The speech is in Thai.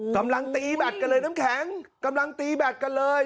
กำลังตีแบตกันเลยน้ำแข็งกำลังตีแบตกันเลย